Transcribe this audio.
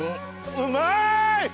うまい！